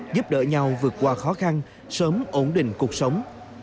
giúp đỡ nhau vượt qua khó khăn sớm ổn định cuộc sống